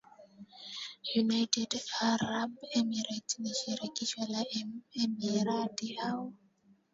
United Arab Emirates ni shirikisho la emirati au